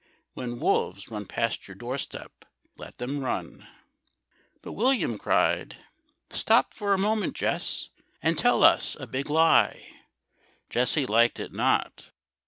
When wolves run past your door step, let them run. But William cried, "Stop for a moment, Jess, And tell us a big lie." Jesse liked it not.